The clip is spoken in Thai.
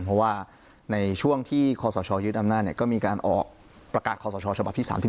เพราะว่าในช่วงที่คศยึดอำนาจก็มีการออกประกาศคอสชฉบับที่๓๒